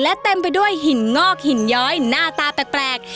และเต็มไปด้วยหินงอกหินย้อยหน้าตาแปลก